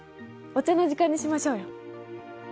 お茶の時間にしましょうよ。